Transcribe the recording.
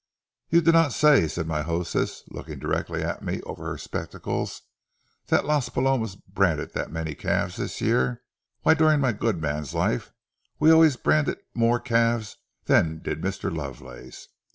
"Ye dinna say," said my hostess, looking directly at me over her spectacles, "that Las Palomas branded that mony calves thi' year? Why, durin' ma gudeman's life we alway branded mair calves than did Mr. Lovelace.